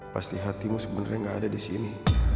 pasti hatimu sebenernya gak ada disini